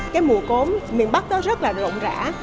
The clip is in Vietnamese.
cái mùa cốm miền bắc nó rất là rộng rã